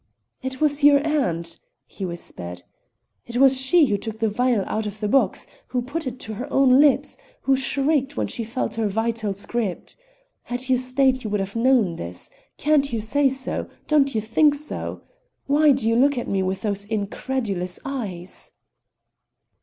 "It was your aunt!" he whispered. "It was she who took the vial out of the box; who put it to her own lips; who shrieked when she felt her vitals gripped. Had you stayed you would have known this. Can't you say so? Don't you think so? Why do you look at me with those incredulous eyes?"